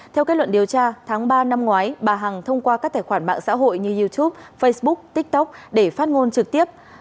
theo kết luận điều tra tháng ba năm ngoái bà hằng thông qua các tài khoản mạng xã hội như youtube facebook tiktok để phát ngôn trực tiếp